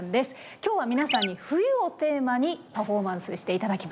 今日は皆さんに“冬”をテーマにパフォーマンスして頂きます。